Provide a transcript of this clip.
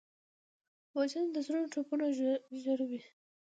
وژنه د زړونو ټپونه ژوروي